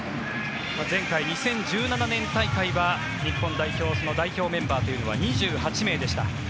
前回２０１７年大会は日本代表メンバーというのは２８名でした。